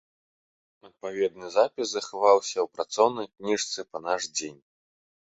Адпаведны запіс захаваўся ў працоўнай кніжцы па наш дзень.